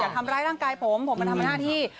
ทำร้ายร่างกายผมผมเป็นธรรมดาที่